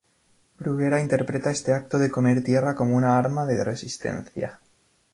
Bruguera interpreta este acto de comer tierra como una "arma de resistencia".